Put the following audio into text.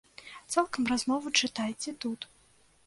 Цалкам размову чытайце тут.